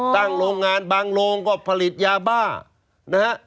โรงงานบางโรงก็ผลิตยาบ้านะฮะ